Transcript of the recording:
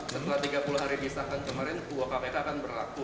setelah tiga puluh hari disahkan kemarin kuap kpk akan berlaku